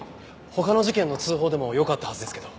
他の事件の通報でもよかったはずですけど。